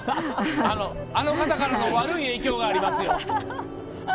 あの方からの悪い影響がありますよ。